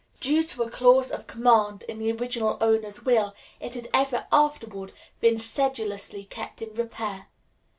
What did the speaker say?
Due to a clause of command in the original owner's will, it had ever afterward been sedulously kept in repair.